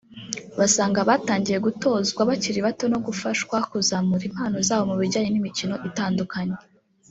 basanga batangiye gutozwa bakiri bato no gufashwa kuzamura impano zabo mu bijyanye n’imikino itandukanye